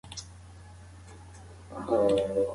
اتحاد د بریا کیلي ده.